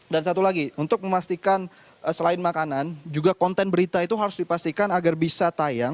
dan satu lagi untuk memastikan selain makanan juga konten berita itu harus dipastikan agar bisa tayang